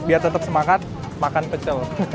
biar tetap semangat makan pecel